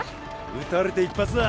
撃たれて一発だ